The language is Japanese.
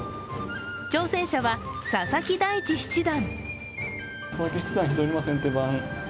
挑戦者は佐々木大地七段。